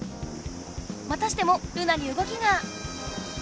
またしてもルナにうごきが！